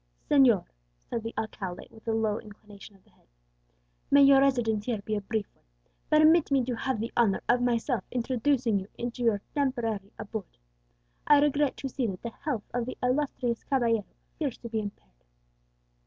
"Señor," said the alcalde, with a low inclination of the head, "may your residence here be a brief one. Permit me to have the honour of myself introducing you into your temporary abode. I regret to see that the health of the illustrious caballero appears to be impaired."